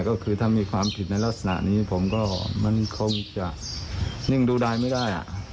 ก็คือถ้ามีความผิดในลักษณะนี้ผมก็มันคงจะนิ่งดูดายไม่ได้